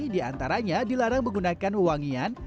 di antaranya dilarang menggunakan wangian